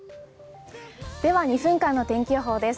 では２週間の天気予報です。